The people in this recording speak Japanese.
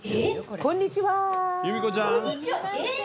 こんにちは。